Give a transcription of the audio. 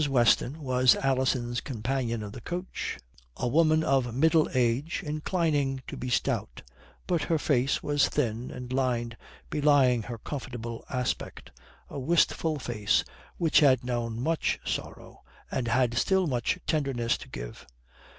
Weston was Alison's companion of the coach, a woman of middle age, inclining to be stout; but her face was thin and lined, belying her comfortable aspect, a wistful face which had known much sorrow, and had still much tenderness to give.